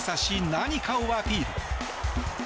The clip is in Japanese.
何かをアピール。